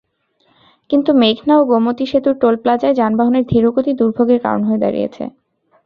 কিন্তু মেঘনা ও গোমতী সেতুর টোলপ্লাজায় যানবাহনের ধীরগতি দুর্ভোগের কারণ হয়ে দাঁড়িয়েছে।